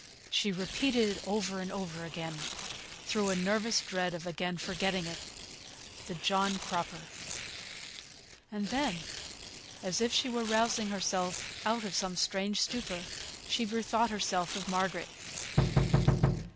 She repeated it over and over again, through a nervous dread of again forgetting it. The John Cropper. And then, as if she were rousing herself out of some strange stupor, she bethought her of Margaret.